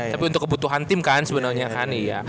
tapi untuk kebutuhan tim kan sebenernya kan iya